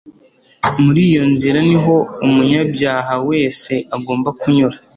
Muri iyo nzira niho umunyabyaha wese agomba kunyura